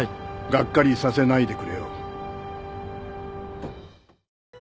がっかりさせないでくれよ。